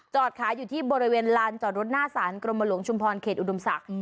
ขายอยู่ที่บริเวณลานจอดรถหน้าศาลกรมหลวงชุมพรเขตอุดมศักดิ์